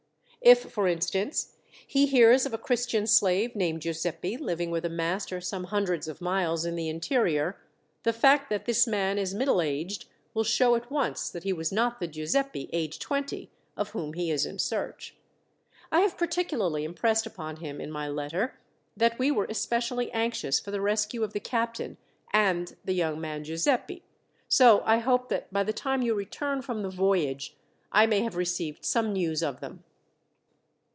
If, for instance, he hears of a Christian slave named Giuseppi living with a master some hundreds of miles in the interior, the fact that this man is middle aged will show at once that he was not the Giuseppi, age 20, of whom he is in search. I have particularly impressed upon him, in my letter, that we were especially anxious for the rescue of the captain, and the young man Giuseppi, so I hope that by the time you return from the voyage, I may have received some news of them."